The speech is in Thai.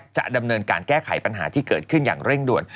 จะดำเนินการแก้ไขปัญหาที่เกิดขึ้นอย่างเร่งด่วน